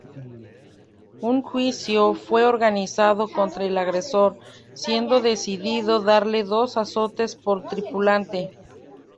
Un juicio fue organizado contra el agresor, siendo decidido darle dos azotes por tripulante.